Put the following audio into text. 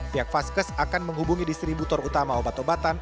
pihak vaskes akan menghubungi distributor utama obat obatan